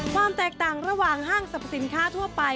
ความแตกต่างระหว่างห้างสรรพสินค้าทั่วไป